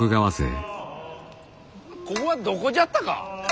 ここはどこじゃったか。